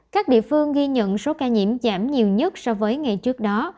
các địa phương ghi nhận số ca nhiễm giảm nhiều nhất so với ngày trước đó